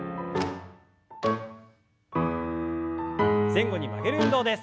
前後に曲げる運動です。